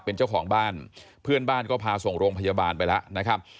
เป็นเจ้าของบ้านเพื่อนบ้านก็พาส่งโรงพยาบาลไปแล้วนะครับ